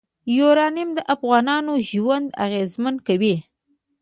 یورانیم د افغانانو ژوند اغېزمن کوي.